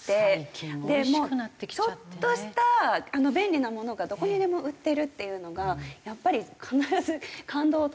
でもうちょっとした便利なものがどこにでも売ってるっていうのがやっぱり必ず感動される。